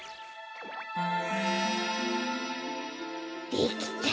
できた！